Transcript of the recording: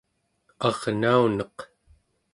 arnauneq